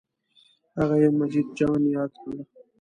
هغه یې مجید جان یاد کړ.